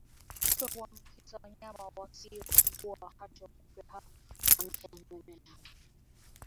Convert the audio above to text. kupe huambukiza mnyama asiyeugua wakati kupe huyo anapomnyonya damu